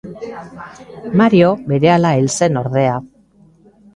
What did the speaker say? Mario berehala hil zen ordea.